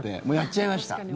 もうやっちゃいました。